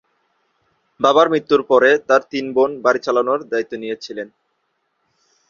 বাবার মৃত্যুর পরে তার তিন বোন বাড়ি চালানোর দায়িত্ব নিয়েছিলেন।